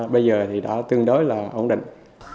bây giờ thì đã tương đối là ổn định